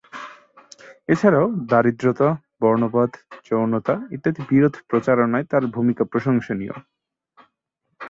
এছাড়াও, দারিদ্রতা, বর্ণবাদ, যৌনতা ইত্যাদি বিরোধী প্রচারণায় তার ভূমিকা প্রশংসনীয়।